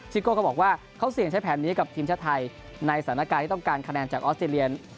โก้ก็บอกว่าเขาเสี่ยงใช้แผนนี้กับทีมชาติไทยในสถานการณ์ที่ต้องการคะแนนจากออสเตรเลีย